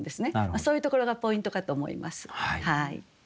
そういうところがポイントかと思います。